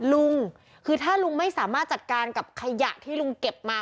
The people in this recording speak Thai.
ลุงคือถ้าลุงไม่สามารถจัดการกับขยะที่ลุงเก็บมา